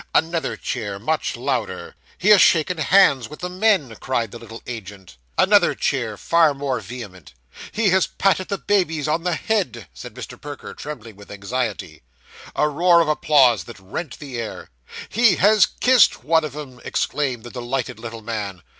Another cheer, much louder. 'He has shaken hands with the men,' cried the little agent. Another cheer, far more vehement. 'He has patted the babies on the head,' said Mr. Perker, trembling with anxiety. A roar of applause that rent the air. 'He has kissed one of 'em!' exclaimed the delighted little man.